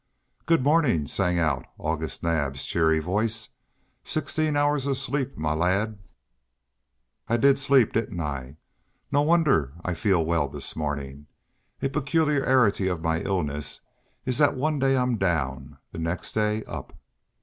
"Good morning," sang out August Naab's cheery voice. "Sixteen hours of sleep, my lad!" "I did sleep, didn't I? No wonder I feel well this morning. A peculiarity of my illness is that one day I'm down, the next day up."